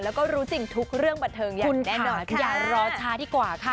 แล้วก็รู้จริงทุกเรื่องบันเทิงอย่างแน่นอนอย่ารอช้าดีกว่าค่ะ